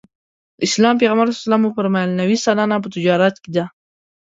د اسلام پیغمبر ص وفرمایل نوې سلنه په تجارت کې ده.